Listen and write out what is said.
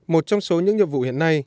một trong số những nhiệm vụ hiện nay